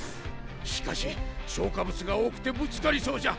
しかし消化物が多くてぶつかりそうじゃ。